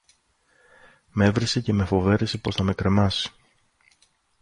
μ' έβρισε και με φοβέρισε πως θα με κρεμάσει